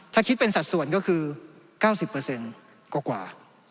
ถ้าคิดเป็นสัดส่วนก็คือ๙๐กว่า